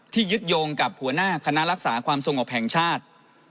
ยึดโยงกับหัวหน้าคณะรักษาความสงบแห่งชาติ